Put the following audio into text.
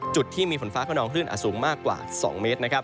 จุดที่มีฝนฟ้ากระนองคลื่นอ่ะสูงมากกว่า๒เมตร